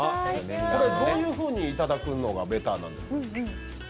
どういうふうに頂くのがベターなんですか？